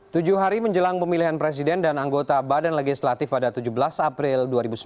tujuh hari menjelang pemilihan presiden dan anggota badan legislatif pada tujuh belas april dua ribu sembilan belas